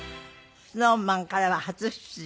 ＳｎｏｗＭａｎからは初出場。